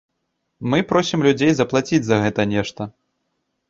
Мы просім людзей заплаціць за гэта нешта.